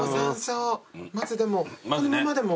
まずでもこのままでも。